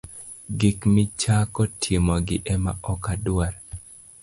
Gik michako timogi ema ok adwar.